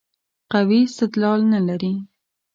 قوي استدلال نه لري.